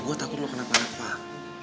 gue takut lo kena panik pak